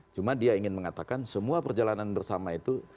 cuma dia ingin mengatakan semua perjalanan bersama itu